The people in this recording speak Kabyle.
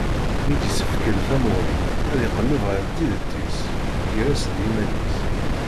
Mi d-yessekfel tamuɣli, ad iqelleb ɣef tidet-is gar-as d yiman-is.